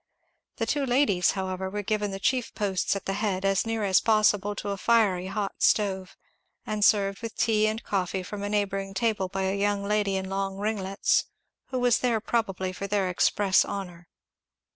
The two ladies, however, were given the chief posts at the head, as near as possible to a fiery hot stove, and served with tea and coffee from a neighbouring table by a young lady in long ringlets who was there probably for their express honour.